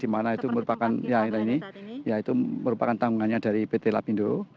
dimana itu merupakan ya ini yaitu merupakan tanggungannya dari pt lapindo